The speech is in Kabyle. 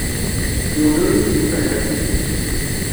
Yiwen ur yi-d-ifehhem.